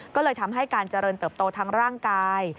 ก็เลยทำให้การเจริญเติบโตทั้งร่างกาย